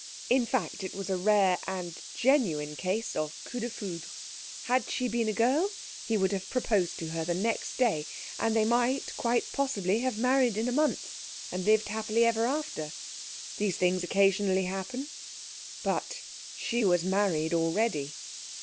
In fact, it was a rare and genuine case of coup de foudre. Had she been a girl he would have proposed to her the next day, and they might quite possibly have married in a month, and lived happily ever after. These things occasionally happen. But she was married already.